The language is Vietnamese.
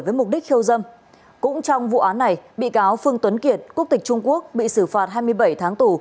với mục đích khiêu dâm cũng trong vụ án này bị cáo phương tuấn kiệt quốc tịch trung quốc bị xử phạt hai mươi bảy tháng tù